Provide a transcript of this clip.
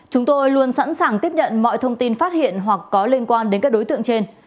chúng tôi luôn sẵn sàng tiếp nhận mọi thông tin phát hiện hoặc có liên quan đến các đối tượng trên